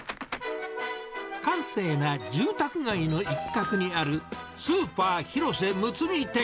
閑静な住宅街の一角にあるスーパーヒロセ睦店。